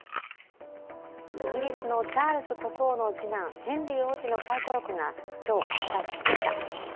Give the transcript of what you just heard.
イギリスのチャールズ国王の次男、ヘンリー王子の回顧録が今日、発売されました。